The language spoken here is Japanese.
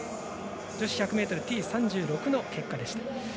女子１００ｍＴ３６の結果でした。